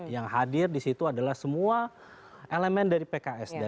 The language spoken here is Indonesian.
yang hadir disitu adalah semua elemen dari pks